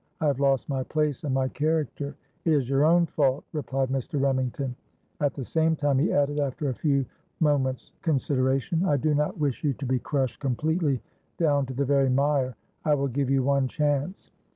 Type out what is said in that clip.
'I have lost my place and my character!'—'It is your own fault,' replied Mr. Remington. 'At the same time,' he added, after a few moments consideration, 'I do not wish you to be crushed completely down to the very mire. I will give you one chance.